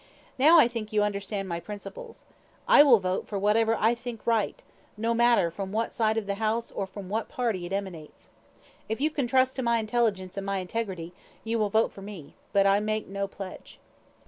Now I think you understand my principles. I will vote for whatever I think right, no matter from what side of the House or from what party it emanates. If you can trust to my intelligence and my integrity, you will vote for me, but I make no pledge."